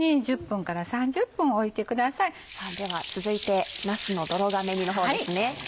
では続いてなすの泥亀煮の方ですね。